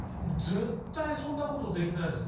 絶対そんなことできないですね。